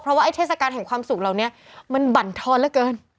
เพราะว่าไอเทศกาลแห่งความสุขเหล่านี้มันบั่นทอนเหลือเกิน